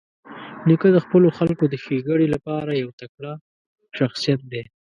نیکه د خپلو خلکو د ښېګڼې لپاره یو تکړه شخصیت دی.